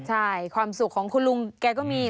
ใช่ความสุขของคุณลุงแกก็มี